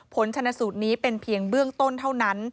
ผลชนสูตรนี้เป็นเพียงเบื้องต้นเท่านั้น